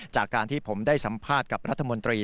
จากการที่ผมได้สัมภาษณ์กับรัฐมนตรี